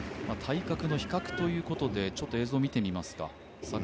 体格の比較ということで映像を見てみますか。